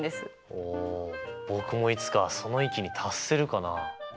お僕もいつかその域に達せるかなあ？